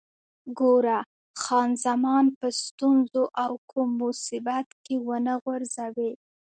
ګوره، خان زمان په ستونزو او کوم مصیبت کې ونه غورځوې.